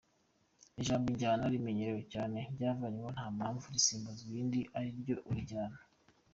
– Ijambo “injyana” rimenyerewe cyane ryavanyweho nta mpamvu, risimburwa n’irindi ari ryo “urujyano”.